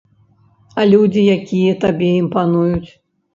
А людзі, якія табе імпануюць?